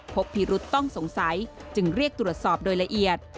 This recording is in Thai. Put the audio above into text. พบพิรุษต้องสงสัยจึงเรียกตรวจสอบโดยละเอียด